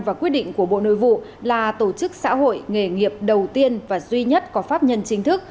và quyết định của bộ nội vụ là tổ chức xã hội nghề nghiệp đầu tiên và duy nhất có pháp nhân chính thức